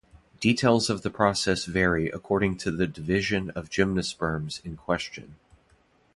Details of the process vary according to the division of gymnosperms in question.